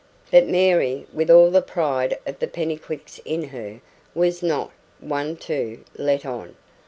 But Mary, with all the pride of the Pennycuicks in her, was not, one to "let on".